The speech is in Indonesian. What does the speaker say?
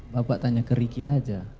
bapak tanya ke ricky aja